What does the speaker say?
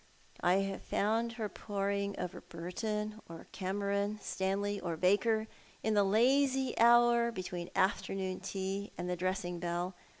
I have foiand her poring over Burton or Cameron, Stanley or Baker, in the lazy hour between afternoon tea and the dressing bell.